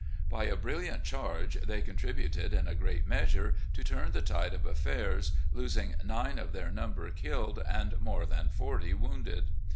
By a brilliant charge, they contributed, in a great measure, to turn the tide of affairs, losing nine of their number killed and more than forty wounded.